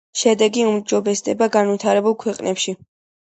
შედეგები უმჯობესდება განვითარებულ ქვეყნებში.